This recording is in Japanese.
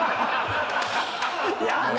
やだ！